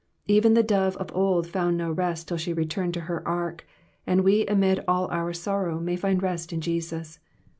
Even the dove of old found no rest till she returned to her ark, and we amid all our sorrow may find rest in Jesus.